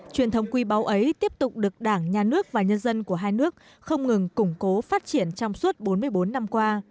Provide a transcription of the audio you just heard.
truyền thống quy báo ấy tiếp tục được đảng nhà nước và nhân dân của hai nước không ngừng củng cố phát triển trong suốt bốn mươi bốn năm qua